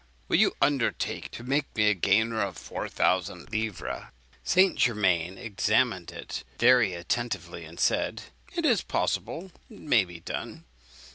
Will you undertake to make me a gainer of four thousand livres?' St. Germain examined it very attentively, and said, 'It is possible; it may be done.